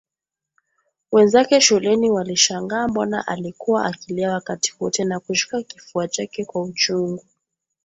Wenzake shuleni walishangaa mbona alikuwa akilia wakati wote na kushika kifua chake kwa uchungu